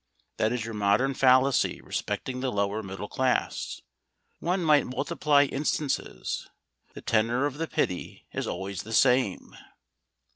That is your modern fallacy respecting the lower middle class. One might multiply instances. The tenor of the pity is always the same.